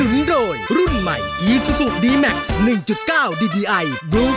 ก็ร้องได้ให้ล้าง